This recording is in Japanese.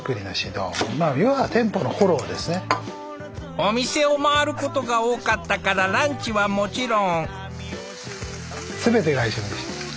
お店を回ることが多かったからランチはもちろん。